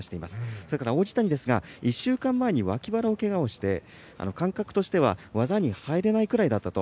それから王子谷ですが１週間前に脇腹のけがをして感覚としては技に入れないぐらいだったと。